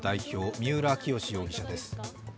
三浦清志容疑者です。